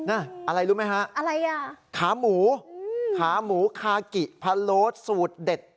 อะไรรู้ไหมขาหมูขาหมูคารุสูตรเด็ด